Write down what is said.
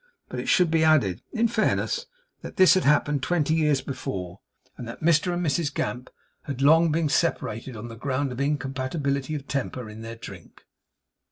But it should be added, in fairness, that this had happened twenty years before; and that Mr and Mrs Gamp had long been separated on the ground of incompatibility of temper in their drink.